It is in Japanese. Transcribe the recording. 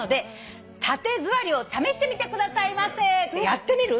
やってみる？